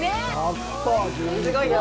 すごいよ。